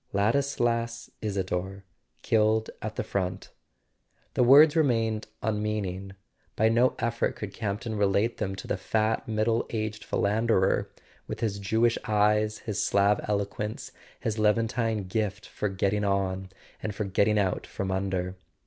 Ladislas Isador killed at the front! The words re¬ mained unmeaning; by no effort could Campton relate them to the fat middle aged philanderer with his Jewish eyes, his Slav eloquence, his Levantine gift for getting on, and for getting out from under.